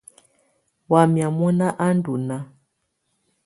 Wamɛ̀á mɔ̀na á ndù nàà.